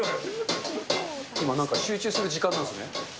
今、なんか集中する時間なんですね。